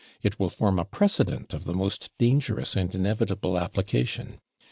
It will form a precedent of the most dangerous and inevitable application.